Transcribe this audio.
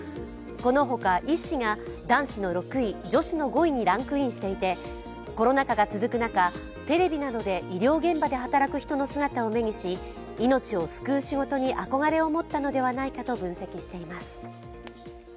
このほか医師が男子の６位、女子の５位にランクインしていて、コロナ禍が続く中、テレビなどで医療現場で働く人の姿を目にし命を救う仕事に憧れを持ったのではないかと分析しています。